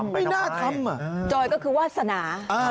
ไม่น่าทำจอยก็คือวาสนา